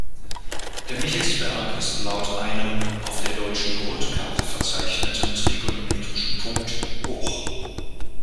Der Michelsberg ist laut einem auf der Deutschen Grundkarte verzeichneten trigonometrischen Punkt hoch.